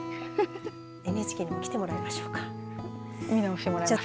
ＮＨＫにも来てもらいましょうか。